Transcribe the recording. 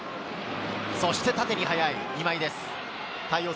そして縦に速い今井です。